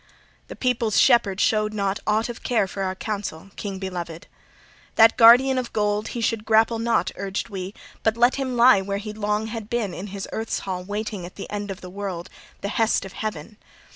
The people's shepherd showed not aught of care for our counsel, king beloved! That guardian of gold he should grapple not, urged we, but let him lie where he long had been in his earth hall waiting the end of the world, the hest of heaven.